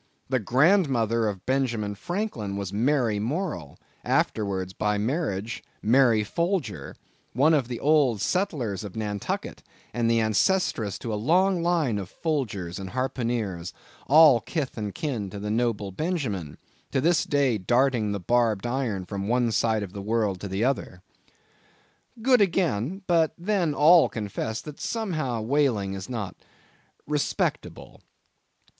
The grandmother of Benjamin Franklin was Mary Morrel; afterwards, by marriage, Mary Folger, one of the old settlers of Nantucket, and the ancestress to a long line of Folgers and harpooneers—all kith and kin to noble Benjamin—this day darting the barbed iron from one side of the world to the other. Good again; but then all confess that somehow whaling is not respectable.